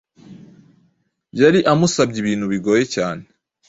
yari amusabye ibintu bigoye cyane